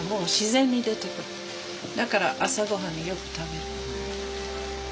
だから朝ごはんによく食べる。